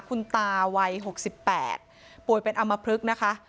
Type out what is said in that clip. คุณตาวัย๖๘ป่วยเป็นอำมพลึกนะคะ